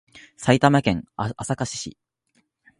埼玉県朝霞市